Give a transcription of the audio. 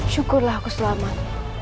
syukurlah aku selamat